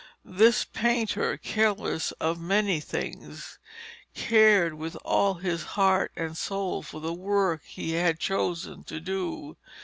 This painter, careless of many things, cared with all his heart and soul for the work he had chosen to do.